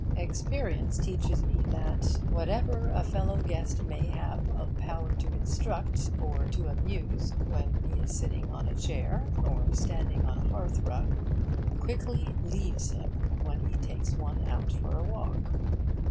Experience teaches me that whatever a fellow guest may have of power to instruct or to amuse when he is sitting on a chair, or standing on a hearth rug, quickly leaves him when he takes one out for a walk.